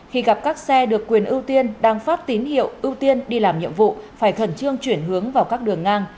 khi gặp các xe được quyền ưu tiên đang phát tín hiệu ưu tiên đi làm nhiệm vụ phải khẩn trương chuyển hướng vào các đường ngang